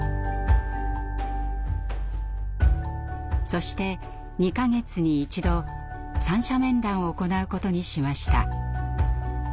そして２か月に１度三者面談を行うことにしました。